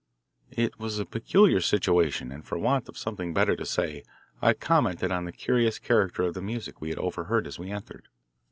It was a peculiar situation, and for want of something better to say I commented on the curious character of the music we had overheard as we entered.